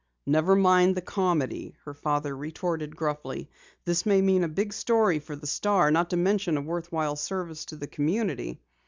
"Never mind the comedy," her father retorted gruffly. "This may mean a big story for the Star, not to mention a worthwhile service to the community."